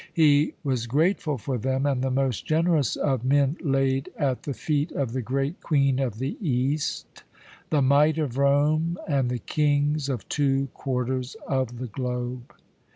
He was grateful for them, and the most generous of men laid at the feet of the 'Great Queen of the East' the might of Rome and the kings of two quarters of the globe.